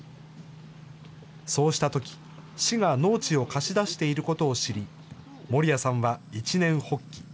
そうしたとき、市が農地を貸し出していることを知り、森谷さんは一念発起。